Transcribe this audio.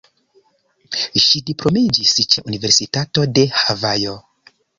Ŝi diplomiĝis ĉe Universitato de Havajo.